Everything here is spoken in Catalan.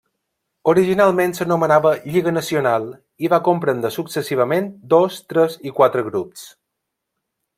Originalment s'anomenava Lliga Nacional, i va comprendre successivament dos, tres i quatre grups.